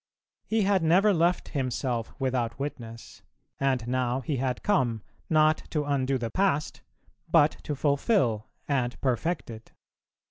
He had never left Himself without witness, and now He had come, not to undo the past, but to fulfil and perfect it.